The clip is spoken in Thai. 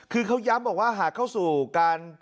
คือเขาย้ำบอกว่าหากเข้าสู่การ